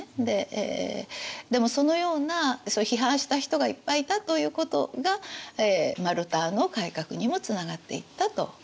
ででもそのようなそういう批判した人がいっぱいいたということがルターの改革にもつながっていったと。